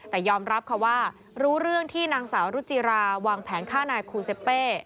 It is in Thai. แต่ยอมรับค่ะว่ารู้เรื่องที่นางสาวรุจิราวางแผนฆ่านายคูเซเป้